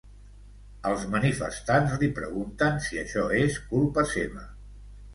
Els manifestants li pregunten si això és culpa seva.